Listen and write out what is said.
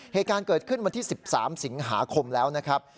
เหตุการณ์เกิดขึ้นวันที่๑๓สิงหาคมแล้วนะครับ